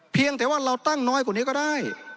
เพียงแต่ว่าเราตั้งน้อยกว่านี้ก็ได้